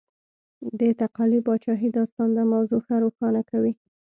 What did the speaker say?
د تقالي پاچاهۍ داستان دا موضوع ښه روښانه کوي.